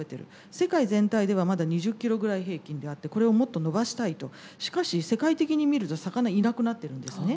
世界全体ではまだ２０キロぐらい平均であってこれをもっと伸ばしたいとしかし世界的に見ると魚いなくなってるんですね。